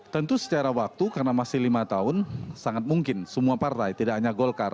tentu secara waktu karena masih lima tahun sangat mungkin semua partai tidak hanya golkar